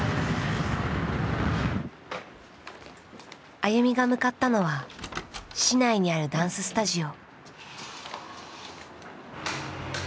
ＡＹＵＭＩが向かったのは市内にあるダンススタジオ。